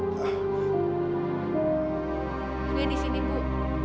lia di sini ibu